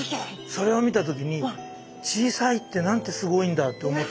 それを見た時に小さいってなんてすごいんだと思って。